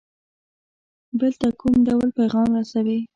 بل ته کوم ډول پیغام رسوي.